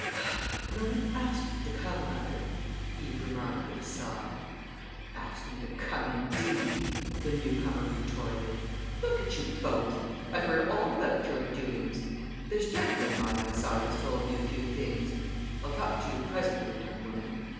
"No one asked you to come, mother," Eve remarked with a sigh. "Asked me to come, indeed!" the newcomer retorted. "Look at you both! I've heard all about your doings. This gentleman by my side has told me a few things. I'll talk to you presently, young woman.